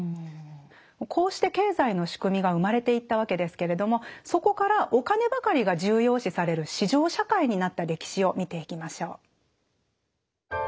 こうして経済の仕組みが生まれていったわけですけれどもそこからお金ばかりが重要視される市場社会になった歴史を見ていきましょう。